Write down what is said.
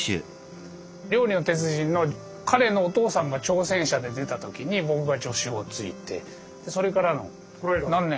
「料理の鉄人」の彼のお父さんが挑戦者で出た時に僕が助手をついてそれからの何年？